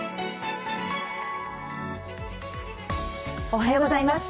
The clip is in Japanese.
おはようございます。